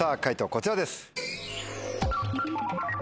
こちらです。